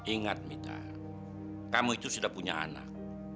ingat mita kamu itu sudah punya anak